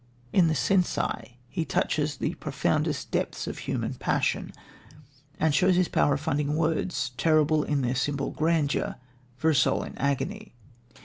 In The Cenci he touches the profoundest depths of human passion, and shows his power of finding words, terrible in their simple grandeur, for a soul in agony.